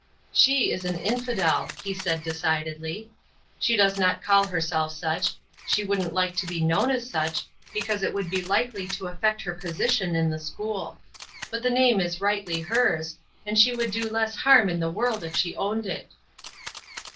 "She is an infidel," he said, decidedly. "She does not call herself such; she wouldn't like to be known as such, because it would be likely to affect her position in the school. But the name is rightly hers, and she would do less harm in the world if she owned it."